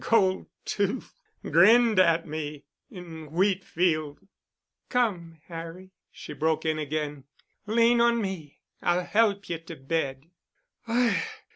Gold tooth—grinned at me—in wheatfield——" "Come, Harry," she broke in again, "lean on me. I'll help you to bed."